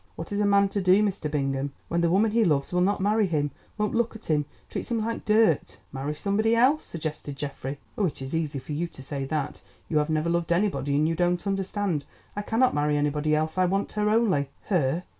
What is a man to do, Mr. Bingham, when the woman he loves will not marry him, won't look at him, treats him like dirt?" "Marry somebody else," suggested Geoffrey. "Oh, it is easy for you to say that—you have never loved anybody, and you don't understand. I cannot marry anybody else, I want her only." "Her?